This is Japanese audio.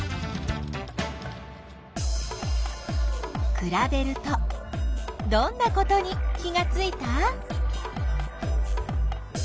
くらべるとどんなことに気がついた？